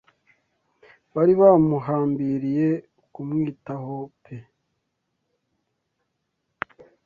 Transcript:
Bari bamuhambiriye kumwitaho pe